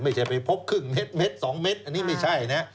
ไม่ใช่ไปพบครึ่งเม็ด๒เม็ดอันนี้ไม่ใช่นะ